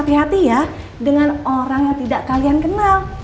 berarti ya dengan orang yang tidak kalian kenal